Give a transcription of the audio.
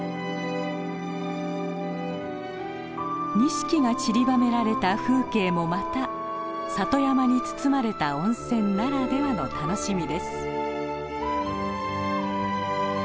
錦が散りばめられた風景もまた里山に包まれた温泉ならではの楽しみです。